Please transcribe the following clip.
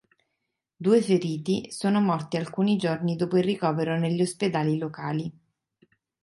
Due feriti sono morti alcuni giorni dopo il ricovero negli ospedali locali.